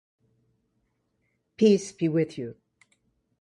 Peace be with you.